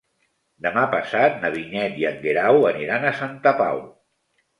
Demà passat na Vinyet i en Guerau aniran a Santa Pau.